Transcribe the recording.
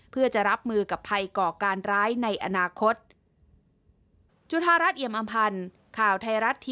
เพื่อจะรับมือกับภัยก่อการร้ายในอนาคต